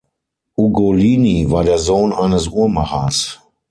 Ugolini war der Sohn eines Uhrmachers.